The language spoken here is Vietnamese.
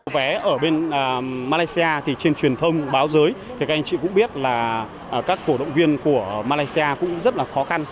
vé ở bên malaysia thì trên truyền thông báo giới thì các anh chị cũng biết là các cổ động viên của malaysia cũng rất là khó khăn